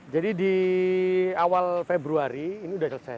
jadi di awal februari ini udah selesai